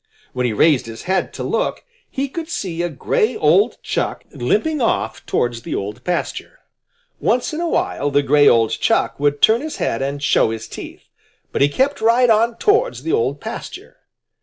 When he raised his head to look, he could see a gray old Chuck limping off towards the Old Pasture. Once in a while the gray old Chuck would turn his head and show his teeth, but he kept right on towards the Old Pasture.